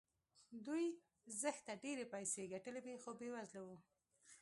دوی زښته ډېرې پيسې ګټلې وې خو بې وزله وو.